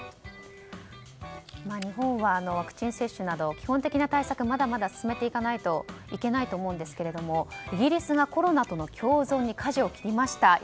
日本はワクチン接種など基本的な対策はまだまだ進めていかないといけないと思うんですがイギリスがコロナとの共存にかじを切りました。